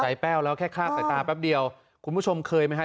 แป้วแล้วแค่คลาดสายตาแป๊บเดียวคุณผู้ชมเคยไหมฮะ